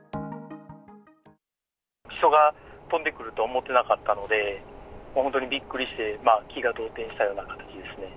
人が飛んでくると思ってなかったので、本当にびっくりして、気が動転したような形ですね。